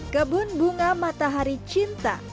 kebun bunga matahari cinta